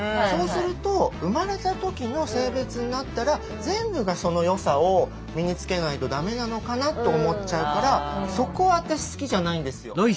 そうすると生まれた時の性別になったら全部がその良さを身につけないとダメなのかなと思っちゃうからそこ私好きじゃないんですよ。